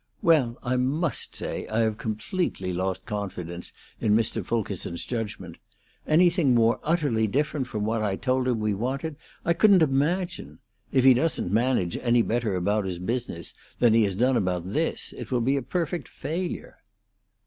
"Well, I must say I have completely lost confidence in Mr. Fulkerson's judgment. Anything more utterly different from what I told him we wanted I couldn't imagine. If he doesn't manage any better about his business than he has done about this, it will be a perfect failure."